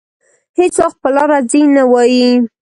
هېڅ وخت په لاره ځي نه وايي.